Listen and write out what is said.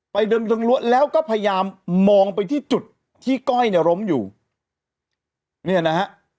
เดินตรงรั้วแล้วก็พยายามมองไปที่จุดที่ก้อยเนี่ยล้มอยู่เนี่ยนะฮะ